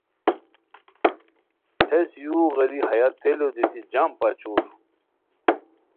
ہیس یو غیری ہیہ تیلو دیتی جم پاچور